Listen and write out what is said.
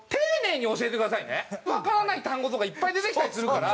わからない単語とかいっぱい出てきたりするから。